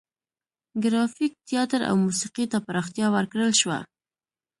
ګرافیک، تیاتر او موسیقي ته پراختیا ورکړل شوه.